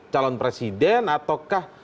calon presiden ataukah